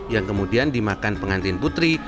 yang kemudian dimakan pengantin putri